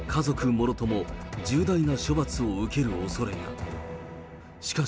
もろとも重大な処罰を受けるおそれが。